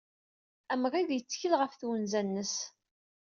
Amɣid yettkel ɣef twenza-nnes.